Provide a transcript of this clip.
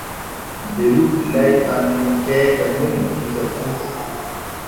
Belu layɓan nun keeɗe mum tife fu.